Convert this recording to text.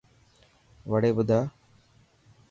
وڙي ٻڌا.